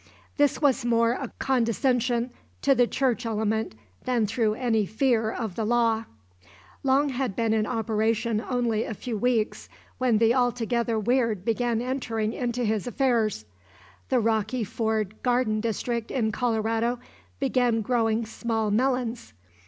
This was more a condescension to the church element than through any fear of the law. Long had been in operation only a few weeks when the altogether weird began entering into his affairs. The Rocky Ford garden district in Colorado began growing small melons.